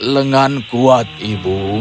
lengan kuat ibu